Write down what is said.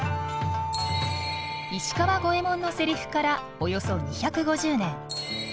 石川五右衛門のセリフからおよそ２５０年。